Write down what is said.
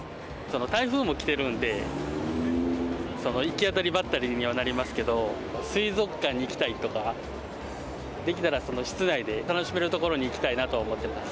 台風も来てるんで、行き当たりばったりにはなりますけど、水族館に行きたいとか、できたら室内で楽しめる所に行きたいなと思ってます。